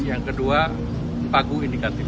yang kedua pagu indikatif